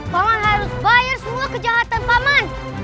paman harus bayar semua kejahatan paman